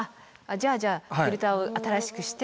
じゃあじゃあフィルターを新しくして。